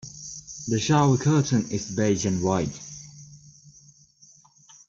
The shower curtain is beige and white.